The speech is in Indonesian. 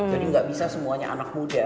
jadi gak bisa semuanya anak muda